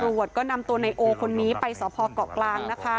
ตำรวจก็นำตัวนายโอคนนี้ไปสพเกาะกลางนะคะ